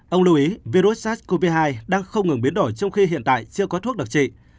ông lưu ý virus sars cov hai đang không ngừng biến đổi trong khi hiện tại chưa có thuốc đặc trị